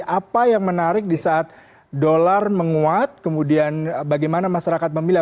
apa yang menarik di saat dolar menguat kemudian bagaimana masyarakat memilih